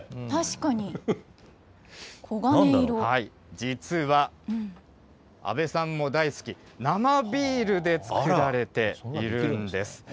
実は、阿部さんも大好き、生ビールで造られているんです。